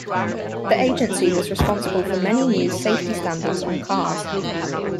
The agency was responsible for many new safety standards on cars.